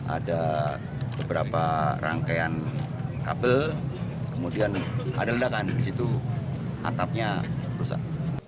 ada beberapa rangkaian kabel kemudian ada ledakan di situ atapnya rusak